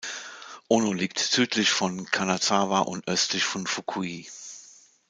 Ōno liegt südlich von Kanazawa und östlich von Fukui.